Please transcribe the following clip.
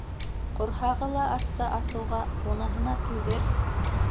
Ҡорһағы ла асты асыуға - уныһына түҙер.